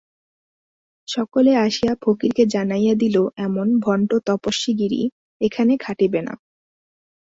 সকলে আসিয়া ফকিরকে জানাইয়া দিল, এমন ভণ্ডতপস্বীগিরি এখানে খাটিবে না।